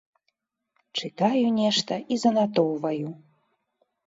Чытаю нешта і занатоўваю.